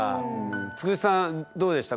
つくしさんどうでした？